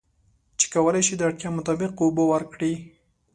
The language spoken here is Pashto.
چې کولی شي د اړتیا مطابق اوبه ورکړي.